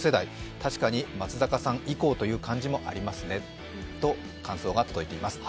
確かに松坂さん以降という感じがありますねという感想が届いています。